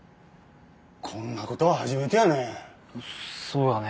こんなことは初めてやね。